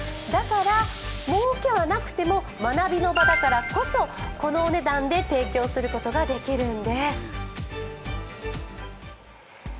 だからもうけはなくても学びの場だからこそこのお値段で提供することができるんです。